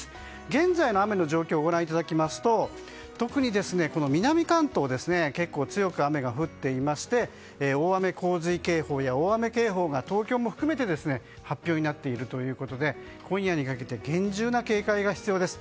現在の雨の状況をご覧いただきますと特に南関東で結構強く雨が降っていまして大雨・洪水警報や大雨警報が東京も含めて発表になっているということで今夜にかけて厳重な警戒が必要です。